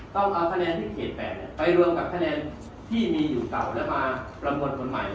ต้องเอาคะแนนที่เขตแปดเนี่ยไปรวมกับคะแนนที่มีอยู่เก่าแล้วมาปรำนวณคนใหม่เลย